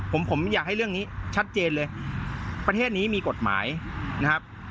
ผมผมอยากให้เรื่องนี้ชัดเจนเลยประเทศนี้มีกฎหมายนะครับ